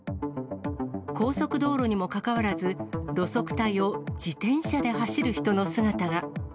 高速道路にもかかわらず、路側帯を自転車で走る人の姿が。